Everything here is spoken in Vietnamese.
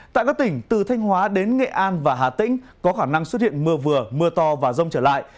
tại các tỉnh từ thanh hóa đến nghệ an và hà tĩnh có khả năng xuất hiện mưa vừa mưa to và rông trở lại